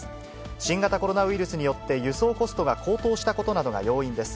新型コロナウイルスによって、輸送コストが高騰したことなどが要因です。